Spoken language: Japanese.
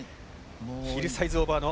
ヒルサイズオーバーの。